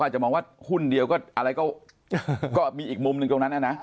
อาจจะมองว่าหุ้นเดียวก็อะไรก็มีอีกมุมหนึ่งตรงนั้นนะ